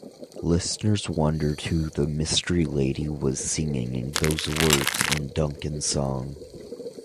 Listeners wondered who the mystery lady was singing those words in Duncan's song.